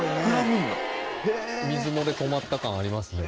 水漏れ止まった感ありますね。